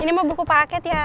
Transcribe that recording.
ini mau buku paket ya